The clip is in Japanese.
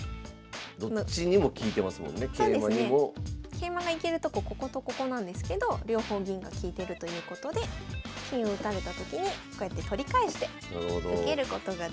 桂馬が行けるとここことここなんですけど両方銀が利いてるということで金を打たれたときにこうやって取り返して受けることができます。